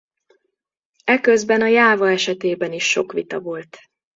E közben a Java esetében is sok vita volt.